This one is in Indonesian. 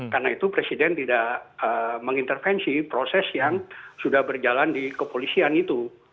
karena itu presiden tidak mengintervensi proses yang sudah berjalan di kepolisian itu